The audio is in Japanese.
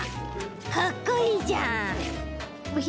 かっこいいじゃん。